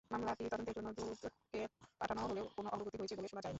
মামলাটি তদন্তের জন্য দুদকে পাঠানো হলেও কোনো অগ্রগতি হয়েছে বলে শোনা যায়নি।